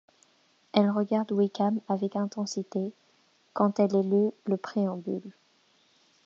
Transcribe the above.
Elle regarde Wickham avec intensité quand est lu le préambule.